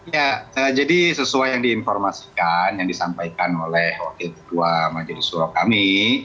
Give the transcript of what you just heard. ya jadi sesuai yang diinformasikan yang disampaikan oleh wakil ketua majelis suro kami